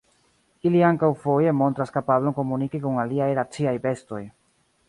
Ili ankaŭ foje montras kapablon komuniki kun aliaj raciaj bestoj.